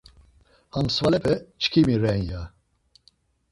Ham svalepe çkimi ren, ya.